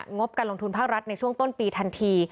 งบการลงทุนภาครัฐในช่วงต้นปีทันที